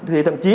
thì thậm chí